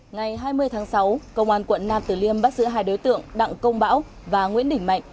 ngày hai mươi tháng sáu công an quận năm từ liêm bắt giữ hai đối tượng đặng công bảo và nguyễn đỉnh mạnh